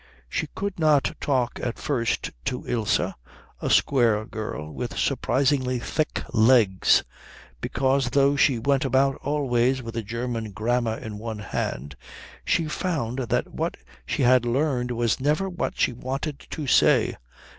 She could not talk at first to Ilse, a square girl with surprisingly thick legs, because though she went about always with a German grammar in one hand she found that what she had learned was never what she wanted to say.